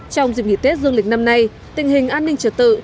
trong dịp nghỉ tết dương lịch năm nay tình hình an ninh trật tự